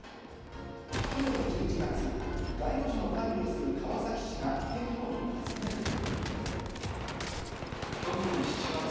去年の１１月、街路樹の管理をする川崎市が店舗に尋ねると。